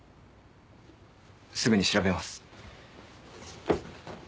すぐに調べます。